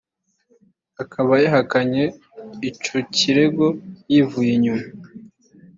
akaba yahakanye ico kirego yivuye inyuma